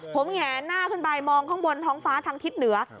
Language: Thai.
ผมแหงหน้าขึ้นไปมองข้างบนท้องฟ้าทางทิศเหนือ